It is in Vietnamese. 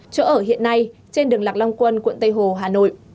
chỗ ở hiện nay trên đường lạc long quân quận tây hồ hà nội